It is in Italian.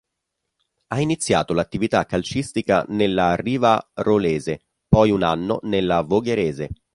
Ha iniziato l'attività calcistica nella Rivarolese, poi un anno nella Vogherese.